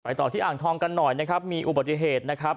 ต่อที่อ่างทองกันหน่อยนะครับมีอุบัติเหตุนะครับ